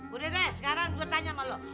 udah deh sekarang gue tanya sama lo